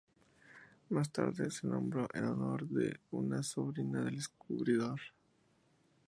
Más tarde, se nombró en honor de una sobrina del descubridor.